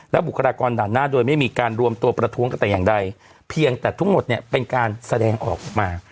บุคลากรด่านหน้าโดยไม่มีการรวมตัวประท้วงกันแต่อย่างใดเพียงแต่ทั้งหมดเนี่ยเป็นการแสดงออกมา